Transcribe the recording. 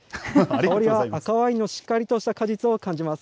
香りは赤ワインのしっかりとした果実を感じます。